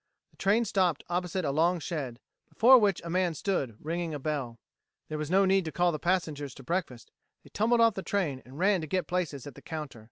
The train stopped opposite a long shed, before which a man stood ringing a bell. There was no need to call the passengers to breakfast; they tumbled off the train and ran to get places at the counter.